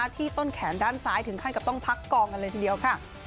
ที่ต้นแขนด้านซ้ายถึงขั้นต้องพักกองค่ะ